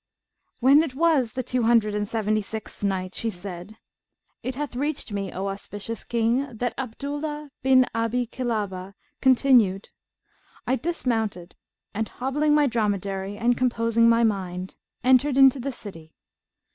When it was the Two Hundred and Seventy sixth Night, She said, It hath reached me, O auspicious King, that Abdullah bin Abi Kilabah continued, "I dismounted and hobbling my dromedary, and composing my mind, entered into the city.